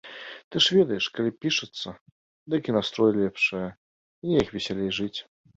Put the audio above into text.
Ты ж ведаеш, калі пішацца, дык і настрой лепшае, і неяк весялей жыць.